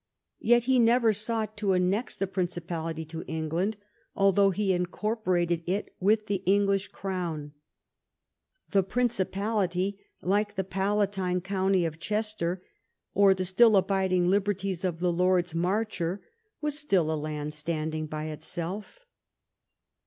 Yet he never sought to annex the Principality to Eng land, although he incorporated it with the English crown. The Principality, like the Palatine county of Chester, or the still abiding liberties of the Lords Marcher, was still a land standing by itself.